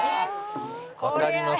「わかります。